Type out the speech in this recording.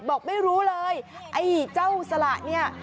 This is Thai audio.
บอกไม่รู้เลยไอ้เจ้าสละเนี่ย